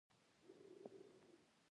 جهاد نه ورسره کوي.